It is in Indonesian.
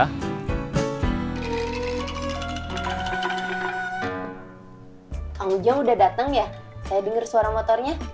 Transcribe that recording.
kang ujang udah dateng ya saya denger suara motornya